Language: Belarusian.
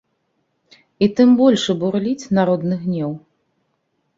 І тым большы бурліць народны гнеў.